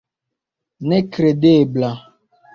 Nekredebla!